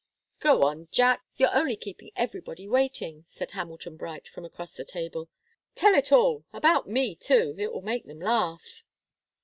"Go on, Jack you're only keeping everybody waiting!" said Hamilton Bright, from across the table. "Tell it all about me, too it will make them laugh."